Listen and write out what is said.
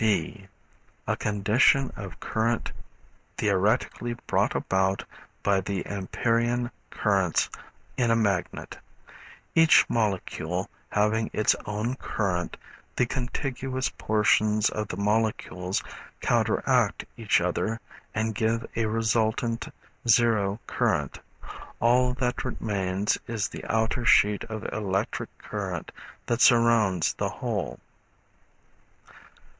(b) A condition of current theoretically brought about by the Ampérian currents in a magnet. Each molecule having its own current, the contiguous portions of the molecules counteract each other and give a resultant zero current. All that remains is the outer sheet of electric current that surrounds the whole.